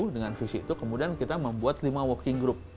dengan visi itu kemudian kita membuat lima working group